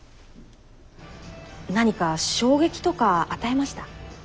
何か衝撃とか与えました？